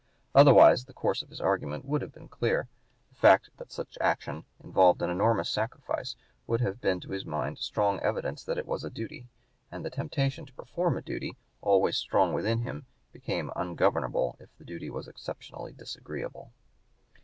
Otherwise the course of his argument would (p. 175) have been clear; the fact that such action involved an enormous sacrifice would have been to his mind strong evidence that it was a duty; and the temptation to perform a duty, always strong with him, became ungovernable if the duty was exceptionally disagreeable.